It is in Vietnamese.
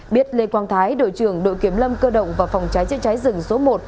biết lê quang thái đội trưởng đội kiểm lâm cơ động và phòng trái chiếc trái rừng số một